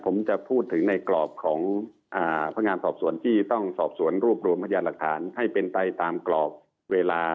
ผมจะพูดถึงในกรอบของพนักงานสอบสวนที่ต้องสอบสวนรวบรวมพยานหลักฐานให้เป็นไปตามกรอบเวลา